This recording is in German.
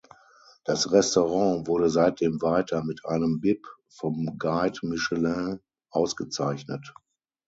Das Restaurant wurde seitdem weiter mit einem Bib vom Guide Michelin ausgezeichnet.